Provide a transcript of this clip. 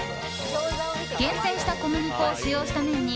厳選した小麦粉を使用した麺に